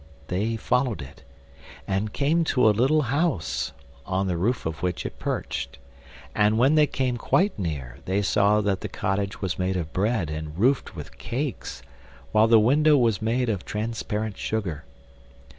They followed it and came to a little house, on the roof of which it perched; and when they came quite near they saw that the cottage was made of bread and roofed with cakes, while the window was made of transparent sugar.